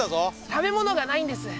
食べ物がないんです。